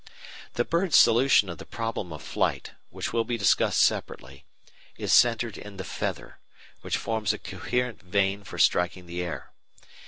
The bird's solution of the problem of flight, which will be discussed separately, is centred in the feather, which forms a coherent vane for striking the air.